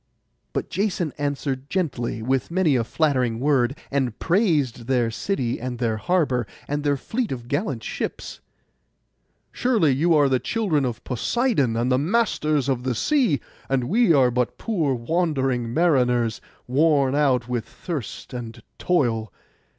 But Jason answered gently, with many a flattering word, and praised their city and their harbour, and their fleet of gallant ships. 'Surely you are the children of Poseidon, and the masters of the sea; and we are but poor wandering mariners, worn out with thirst and toil.